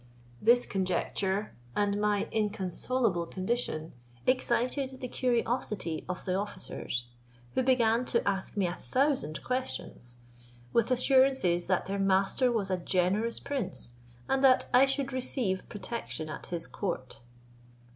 This conjecture, and my inconsolable condition, excited the curiosity of the officers, who began to ask me a thousand questions, with assurances, that their master was a generous prince, and that I should receive protection at his court.